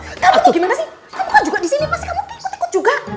kamu tuh gimana sih kamu kan juga disini pasti kamu tikut tikut juga